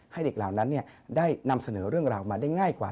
ให้เด็กเหล่านั้นได้นำเสนอเรื่องราวมาได้ง่ายกว่า